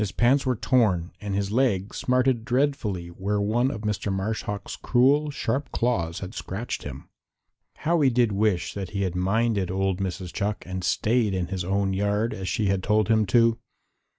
His pants were torn and his leg smarted dreadfully where one of Mr. Marsh Hawk's cruel, sharp claws had scratched him. How he did wish that he had minded old Mrs. Chuck and stayed in his own yard, as she had told him to.